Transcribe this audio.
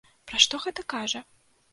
Пра што гэта кажа?